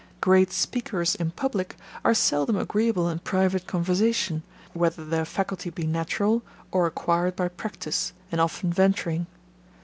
Great speakers in public, are seldom agreeable in private conversation, whether their faculty be natural, or acquired by practice, and often venturing.